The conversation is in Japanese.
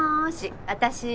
私。